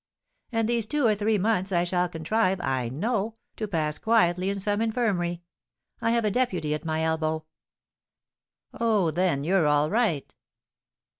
"And these two or three months I shall contrive, I know, to pass quietly in some infirmary. I have a deputy at my elbow." "Oh, then, you're all right."